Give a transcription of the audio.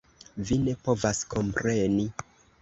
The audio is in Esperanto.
Vi ne povas kompreni.